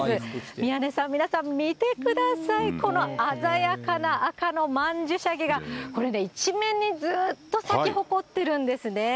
宮根さん、皆さん、見てください、この鮮やかな赤の曼殊沙華が、これね、一面にずーっと咲き誇ってるんですね。